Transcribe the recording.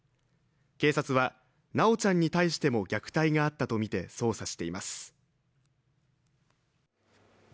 警察は修ちゃんに対しても、虐待があったとみて捜査しています。